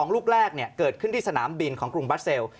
ลูกแรกเกิดขึ้นที่สนามบินของกรุงบัสเซล